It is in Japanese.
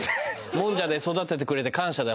もんじゃで育ててくれて感謝だよ